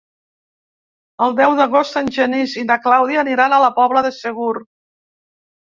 El deu d'agost en Genís i na Clàudia aniran a la Pobla de Segur.